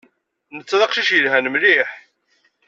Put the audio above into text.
Netta d aqcic yelhan mliḥ.